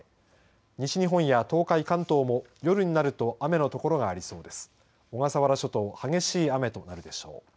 西日本や東海、関東も夜になると雨の所がありそうです。